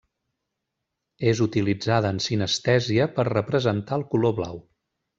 És utilitzada en sinestèsia per representar el color blau.